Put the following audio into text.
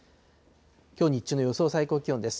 きょう日中の予想最高気温です。